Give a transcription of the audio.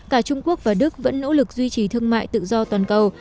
cả trung quốc và đức vẫn nỗ lực duy trì thương mại tự do toàn cầu